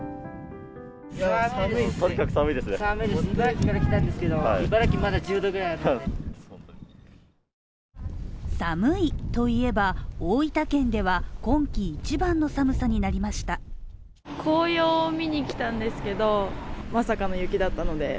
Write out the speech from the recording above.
寒いといえば、大分県では今季一番の寒さになりました。